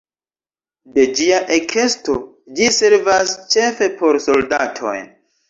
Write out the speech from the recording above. De ĝia ekesto ĝi servas ĉefe por soldatoj.